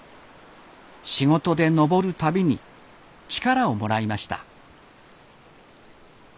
仕事で登る度に力をもらいました。